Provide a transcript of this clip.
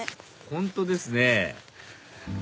本当ですね